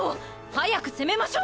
早く攻めましょう！